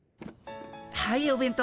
はいお弁当。